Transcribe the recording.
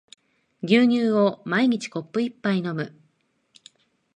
牛乳を毎日コップ一杯飲む